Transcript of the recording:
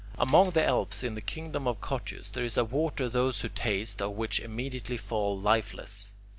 Among the Alps in the kingdom of Cottius there is a water those who taste of which immediately fall lifeless.